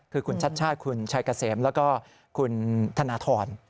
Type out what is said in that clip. คือคุณชัดชาติคุณชัยเกษมแล้วก็คุณธนทร